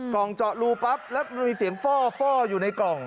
กล่องเจาะรูปั๊บแล้วมันมีเสียงฟ่ออยู่ในกล่อง